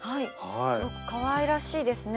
すごくかわいらしいですね。